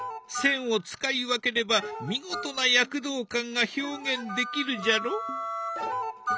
線を使い分ければ見事な躍動感が表現できるじゃろ？